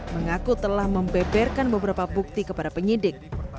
mengaku telah membeberkan beberapa bukti kepada penyidik